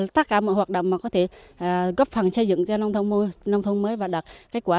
tất cả mọi hoạt động có thể góp phần xây dựng cho nông thôn mới và đạt kết quả